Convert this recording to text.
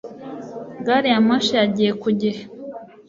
gariyamoshi yagiye ku gihe